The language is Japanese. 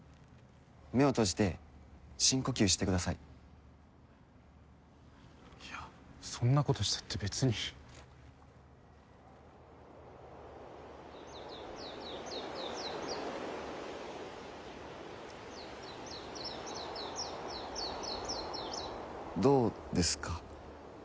目を閉じて深呼吸してくださいいやそんなことしたって別にどうですか？